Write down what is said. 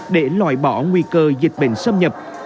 để loại bỏ nguy cơ dịch bệnh xâm nhập